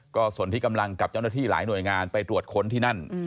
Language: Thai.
ก็ส่วนที่กำลังกับเจ้าหน้าที่หลายหน่วยงานไปตรวจค้นที่นั่น